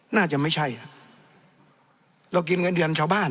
น่าจะไม่ใช่เรากินเงินเดือนชาวบ้าน